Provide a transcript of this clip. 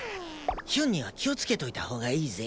ヒュンには気をつけといた方がいいぜ？